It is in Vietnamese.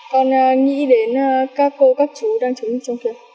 con nghĩ đến các cô các chú đang chống dịch trong tuyến